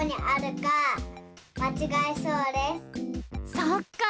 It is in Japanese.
そっか。